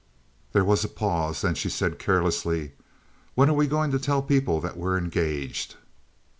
There was a pause. Then she said carelessly: "When are we going to tell people that we're engaged?"